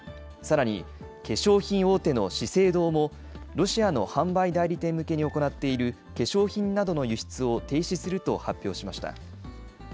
さらに、化粧品大手の資生堂も、ロシアの販売代理店向けに行っている化粧品などの輸出を停止すると発表しました。